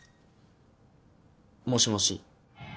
もしもし。